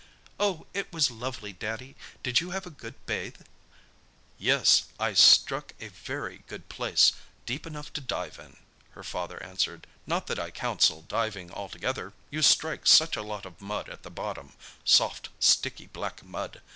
"Oh it was lovely, Daddy! Did you have a good bathe?" "Yes—I struck a very good place—deep enough to dive in," her father answered. "Not that I counsel diving altogether—you strike such a lot of mud at the bottom—soft, sticky, black mud!